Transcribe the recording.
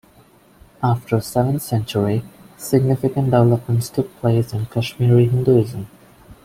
After seventh century, significant developments took place in Kashmiri Hinduism.